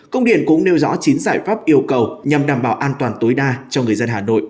công điện cũng nêu rõ chín giải pháp yêu cầu nhằm đảm bảo an toàn tối đa cho người dân hà nội